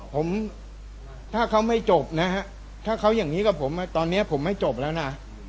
ผมถ้าเขาไม่จบนะฮะถ้าเขาอย่างนี้กับผมตอนนี้ผมไม่จบแล้วนะ